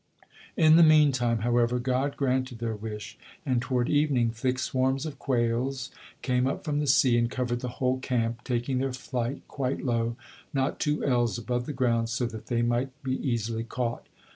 In the meantime, however, God granted their wish, and toward evening thick swarms of quails came up from the sea, and covered the whole camp, taking their flight quite low, not two ells above the ground, so that they might be easily caught.